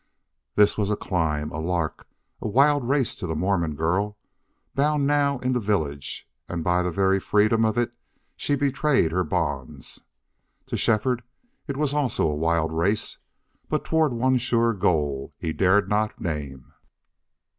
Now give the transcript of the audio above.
This was a climb, a lark, a wild race to the Mormon girl, bound now in the village, and by the very freedom of it she betrayed her bonds. To Shefford it was also a wild race, but toward one sure goal he dared not name.